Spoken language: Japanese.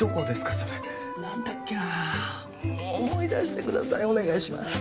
それ何だっけな思い出してくださいお願いします